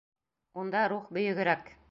Унда рух бөйөгөрәк!